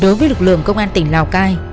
đối với lực lượng công an tỉnh lào cai